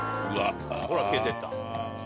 ほら消えてった。